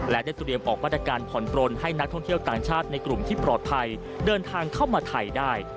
และได้เตรียมออกมาตรการผ่อนปลนให้นักท่องเที่ยวต่างชาติในกลุ่มที่ปลอดภัยเดินทางเข้ามาไทยได้